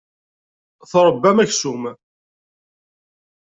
Tṛebbam aksum.